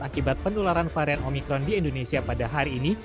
akibat penularan varian omikron di indonesia pada hari ini